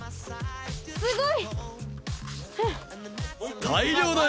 すごい！